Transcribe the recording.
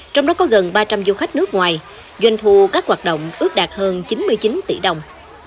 trong đó có gần ba trăm linh du khách nước ngoài doanh thu các hoạt động ước đạt hơn chín mươi chín tỷ đồng